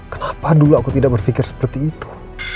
kenapa dulu aku tidak berpikir seperti itu